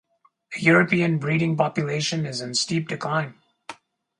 The European breeding population is in steep decline.